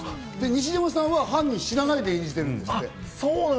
西島さんは犯人を知らないで演じてるんですって。